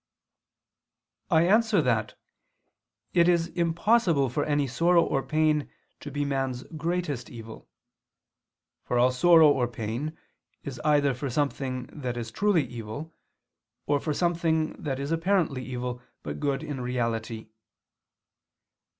I answer that, It is impossible for any sorrow or pain to be man's greatest evil. For all sorrow or pain is either for something that is truly evil, or for something that is apparently evil, but good in reality.